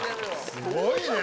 すごいね。